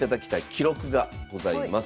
記録がございます。